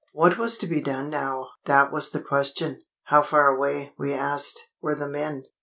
What was to be done now? That was the question. How far away, we asked, were the men?